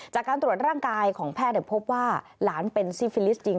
จากการตรวจร่างกายของแพทย์พบว่าหลานเป็นซี่ฟิลิสจริง